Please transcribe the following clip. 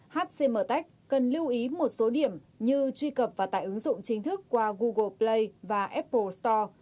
hcmec cần lưu ý một số điểm như truy cập và tải ứng dụng chính thức qua google play và apple store